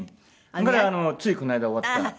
これついこの間終わった。